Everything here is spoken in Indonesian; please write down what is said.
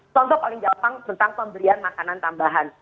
contoh paling gampang tentang pemberian makanan tambahan